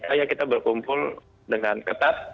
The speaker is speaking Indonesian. ayo kita berkumpul dengan ketat